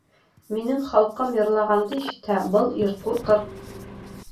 — Минең халҡым йырлағанды ишетһә, был ир ҡурҡыр.